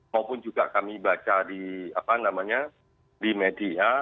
maupun juga kami baca di media